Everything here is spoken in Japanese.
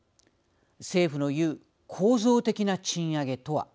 政府の言う構造的な賃上げとは。